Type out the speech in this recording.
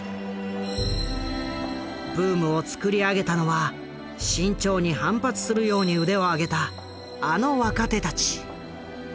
ブームをつくり上げたのは志ん朝に反発するように腕を上げたあの若手たち。